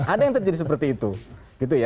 ada yang terjadi seperti itu